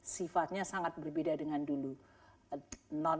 sifatnya sangat berbeda dengan di dunia